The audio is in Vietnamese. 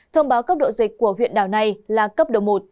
thông báo cấp độ dịch của huyện đảo này là cấp độ một